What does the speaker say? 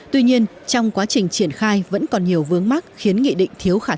tuy nhiên trong quá trình triển khai vẫn còn nhiều vướng mắt khiến nghị định thiếu khả năng